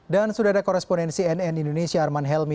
dan sudah ada koresponensi nn indonesia arman helmi